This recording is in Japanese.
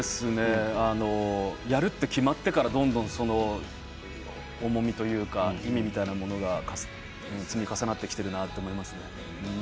やると決まってからどんどん重みというか積み重なってきているなと思いますね。